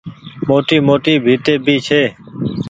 موٽي موٽي ڀيتي ڀي ڇي ۔